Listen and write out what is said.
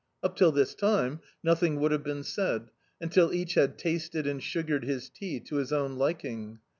Up till this time nothing would have been said, until each had tasted and sugared his tea to his own liking.